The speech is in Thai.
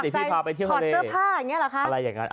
สมัครใจขอดเสื้อผ้าอย่างนี้หรอคะ